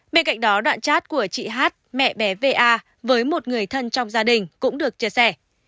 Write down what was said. bên cạnh đó đoạn chat của chị hát mẹ bé va với một người thân trong gia đình cũng được chia sẻ